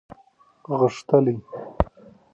غښتلی